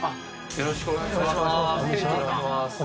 ・よろしくお願いします。